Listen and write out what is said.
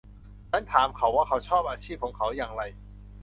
ฉันถามเขาว่าเขาชอบอาชีพของเขาอย่างไร